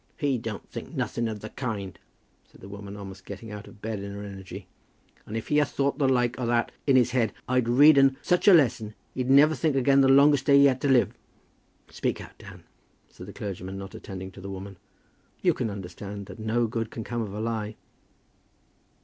"He don't think nothing of the kind," said the woman, almost getting out of bed in her energy. "If he'd athought the like o' that in his head, I'd read 'un such a lesson he'd never think again the longest day he had to live." "Speak out, Dan," said the clergyman, not attending to the woman. "You can understand that no good can come of a lie."